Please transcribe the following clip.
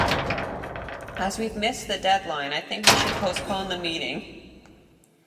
As we've missed the deadline, I think we should postpone the meeting.